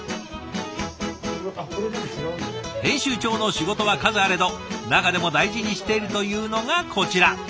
編集長の仕事は数あれど中でも大事にしているというのがこちら。